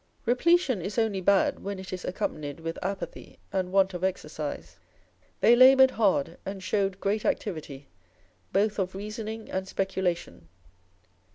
Repletion is only bad when it is accompanied with apathy and want of exercise. They laboured hard, and showed great activity both of reasoning and sjieculation.